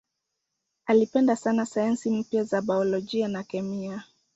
Alipenda sana sayansi mpya za biolojia na kemia.